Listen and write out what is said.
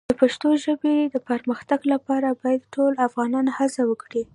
د پښتو ژبې د پرمختګ لپاره باید ټول افغانان هڅه وکړي.